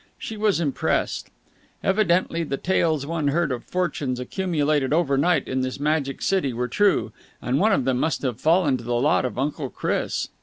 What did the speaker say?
She was impressed. Evidently the tales one heard of fortunes accumulated overnight in this magic city were true, and one of them must have fallen to the lot of Uncle Chris.